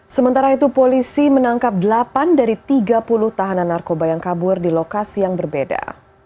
sementara itu polisi menangkap delapan dari tiga puluh tahanan narkoba yang kabur di lokasi yang berbeda